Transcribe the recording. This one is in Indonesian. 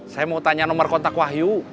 saya mau tanya nomor kontak wahyu